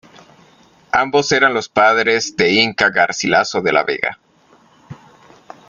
Ambos eran los padres de Inca Garcilaso de la Vega.